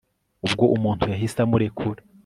ubwo umuntu yahise amurekura